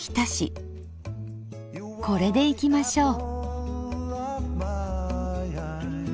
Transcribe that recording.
これでいきましょう。